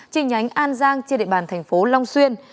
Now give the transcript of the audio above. trên nhánh an giang trên địa bàn tp long xuyên